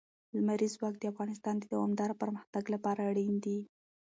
لمریز ځواک د افغانستان د دوامداره پرمختګ لپاره اړین دي.